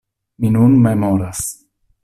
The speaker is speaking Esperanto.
Mi nun memoras.